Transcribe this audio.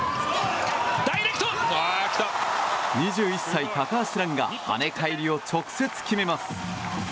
２１歳、高橋藍が跳ね返りを直接決めます。